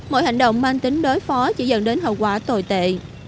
mọi hành động mang tính đối phó chỉ dẫn đến hậu quả tồi tệ